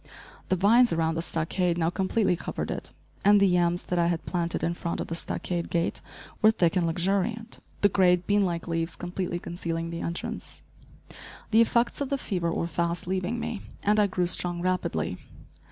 The vines around the stockade now completely covered it, and the yams that I had planted in front of the stockade gate were thick and luxuriant, the great, bean like leaves completely concealing the entrance. The effects of the fever were fast leaving me, and I grew strong rapidly.